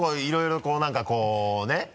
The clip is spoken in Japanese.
いろいろこうなんかこうね。